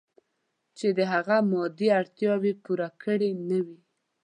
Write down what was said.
چې د هغه مادي اړتیاوې پوره کړې نه وي.